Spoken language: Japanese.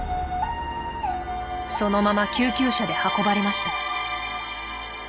そのまま救急車で運ばれました。